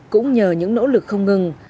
cũng nhờ những nỗ lực không ngừng